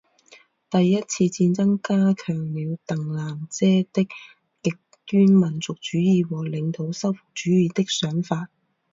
第一次战争加强了邓南遮的极端民族主义和领土收复主义的想法。